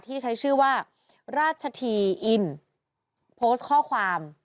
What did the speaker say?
ที่ใช้ชื่อว่าราชธีอินโพสต์ข้อความ